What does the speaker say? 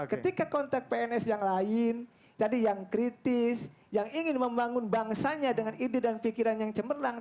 ketika konteks pns yang lain tadi yang kritis yang ingin membangun bangsanya dengan ide dan pikiran yang cemerlang